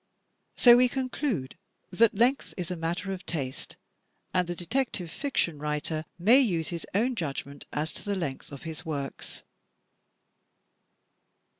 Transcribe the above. So we conclude that length is a matter of taste, and the detective fiction writer may use his own judgment as to the length of his works.